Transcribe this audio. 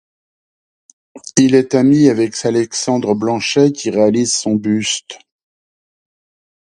Il est ami avec Alexandre Blanchet qui réalise son buste.